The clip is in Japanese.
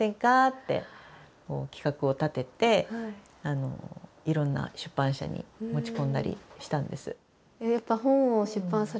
って企画を立てていろんな出版社に持ち込んだりしたんです。